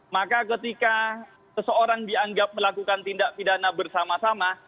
maka ketika seseorang dianggap melakukan tindak pidana bersama sama